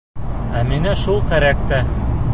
Ә миңә шул кәрәк тә.